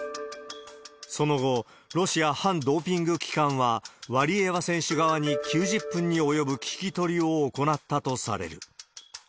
その後、ロシア反ドーピング機関はワリエワ選手側に９０分に及ぶ聞き取りを行ったとされる。